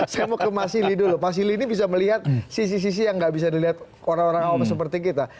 saya mau ke mas sili dulu pak sili ini bisa melihat sisi sisi yang nggak bisa dilihat orang orang awam seperti kita